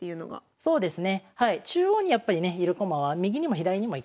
そうですね。